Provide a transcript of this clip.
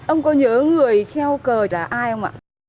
ông có nhớ người treo cờ là ai không ạ